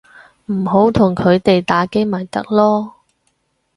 唔好同佢哋打機咪得囉